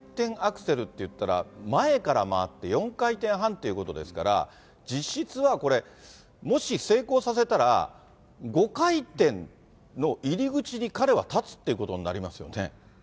しかしこれ、４回転アクセルっていったら、前から回って４回転半ということですから、実質はこれ、もし成功させたら、５回転の入り口に彼は立つということになりますよね。